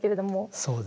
そうですね。